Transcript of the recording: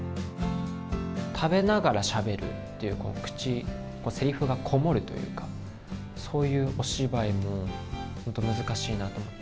食べながらしゃべるっていう、この口、せりふがこもるというか、そういうお芝居がほんと、難しいなと思って。